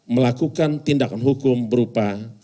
melakukan tindakan hukum berupa